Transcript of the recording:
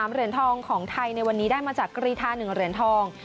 เหรียญทองของไทยในวันนี้ได้มาจากกรีธา๑เหรียญทอง